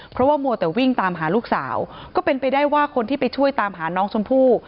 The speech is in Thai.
เพราะว่ามัวแต่วิ่งตามหาลูกสาวก็เป็นไปได้ว่าคนที่ไปช่วยตามหาน้องชมพู่